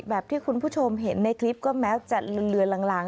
แบบที่คุณผู้ชมเห็นในคลิปก็แม้จะเลือนลาง